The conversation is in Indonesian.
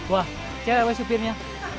wah cewek supirnya